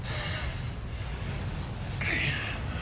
くっ！